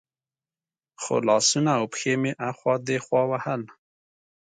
خو لاسونه او پښې مې اخوا دېخوا وهل.